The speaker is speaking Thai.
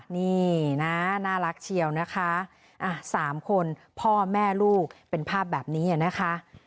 นี่นะน่ารักเชียวนะคะ๓คนพ่อแม่ลูกเป็นภาพแบบนี้นะคะ